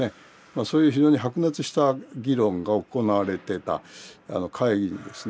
そういう非常に白熱した議論が行われてた会議にですね